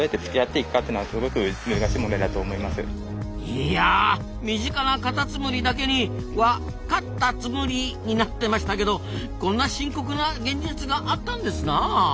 いや身近なカタツムリだけにわかったつむりになってましたけどこんな深刻な現実があったんですなあ。